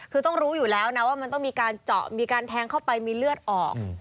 คือต้องรู้อยู่แล้วนะว่ามันต้องมีการเจาะมีการแทงเข้าไปมีเลือดออก